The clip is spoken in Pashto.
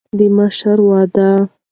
د مشر وعده